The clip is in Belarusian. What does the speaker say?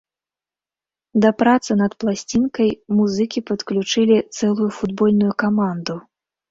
Да працы над пласцінкай музыкі падключылі цэлую футбольную каманду.